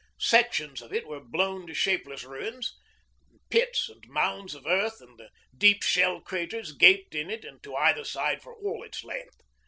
Sections of it were blown to shapeless ruins, and pits and mounds of earth and the deep shell craters gaped in it and to either side for all its length.